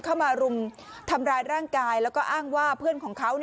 มารุมทำร้ายร่างกายแล้วก็อ้างว่าเพื่อนของเขา